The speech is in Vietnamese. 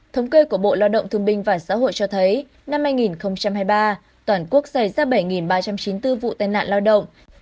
thống kê của bộ lao động thương binh và xã hội cho thấy năm hai nghìn hai mươi ba toàn quốc xảy ra bảy ba trăm chín mươi bốn vụ tai nạn lao động